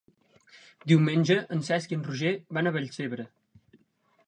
Diumenge en Cesc i en Roger van a Vallcebre.